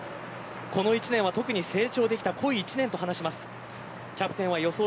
この１年は特に成長できた濃い１年と話します。